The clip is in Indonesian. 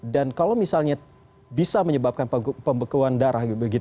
dan kalau misalnya bisa menyebabkan pembekuan darah